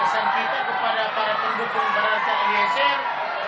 kesan kita kepada para pendukung para rakyat eliezer